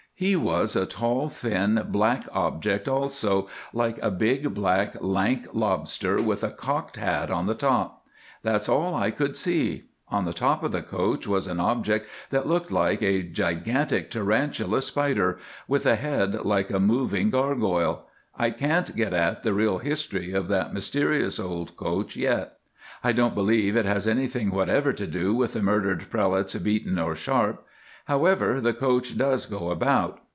"He was a tall thin, black object also, like a big, black, lank lobster, with a cocked hat on the top. That's all I could see. On the top of the coach was an object that looked like a gigantic tarantula spider, with a head like a moving gargoyle. I can't get at the real history of that mysterious old coach yet. I don't believe it has anything whatever to do with the murdered prelates, Beaton or Sharpe. However, the coach does go about.